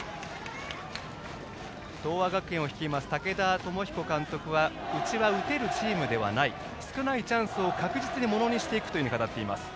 東亜学園を率います武田朝彦監督はうちは打てるチームではない少ないチャンスを確実にものにしていくと語っています。